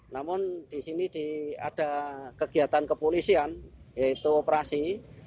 namun di sini ada kegiatan kepolisian yaitu operasi